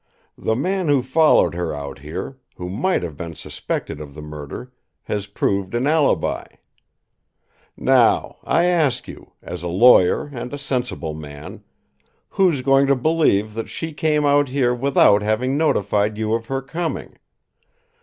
The man who followed her out here, who might have been suspected of the murder, has proved an alibi. "Now, I ask you, as a lawyer and a sensible man, who's going to believe that she came out here without having notified you of her coming?